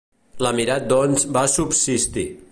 L'emirat doncs va subsistir.